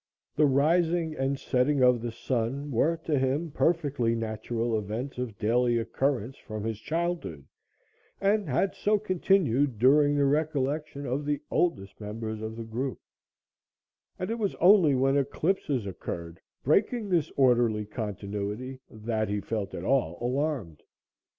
The rising and setting of the sun were to him perfectly natural events of daily occurrence from his childhood, and had so continued during the recollection of the oldest members of the group, and it was only when eclipses occurred, breaking this orderly continuity, that he felt at all alarmed.